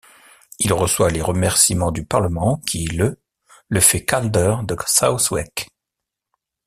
Il reçoit les remerciements du Parlement, qui le le fait Calder de Southwick.